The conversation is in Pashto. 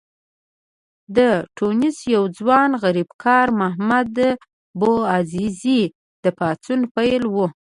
د ټونس یو ځوان غریبکار محمد بوعزیزي د پاڅون پیل و.